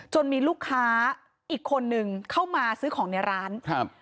มีลูกค้าอีกคนนึงเข้ามาซื้อของในร้านครับ